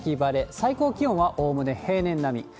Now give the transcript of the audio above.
最高気温はおおむね平年並み。